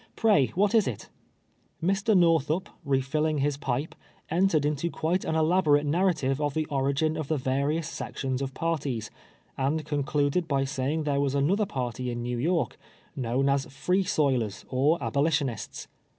Pray, what is it ?" Mr. Xorthup, re filling his pipe, entered into quite an elaborate narrative of the origin of the various sections of parties, and concluded by saying there was another party in Xew York, known as free soilers or 296 TWELVE TEAKS A SLAVE. abolitionists.